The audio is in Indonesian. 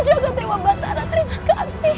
jaga tewa batara terima kasih